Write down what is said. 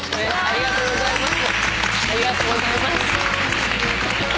ありがとうございます。